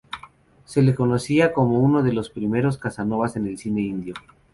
Se le conocía como uno de los primeros Casanovas en el cine indio.